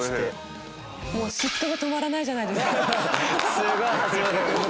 もう嫉妬が止まらないじゃないですか。